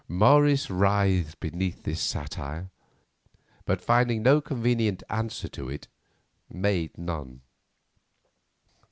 Morris writhed beneath this satire, but finding no convenient answer to it, made none.